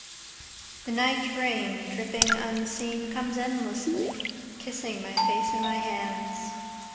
THE NIGHT rain, dripping unseen, Comes endlessly kissing my face and my hands.